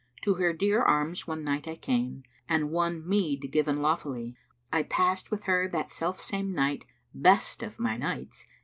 To her dear arms one night I came * And won meed given lawfully: I passed with her that self same night * (Best of my nights!)